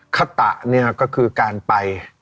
ขตะเนี่ยก็คือการไป